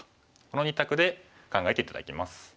この２択で考えて頂きます。